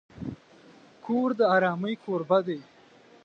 کور د آرامۍ کوربه دی.